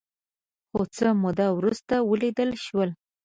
خو څه موده وروسته ولیدل شول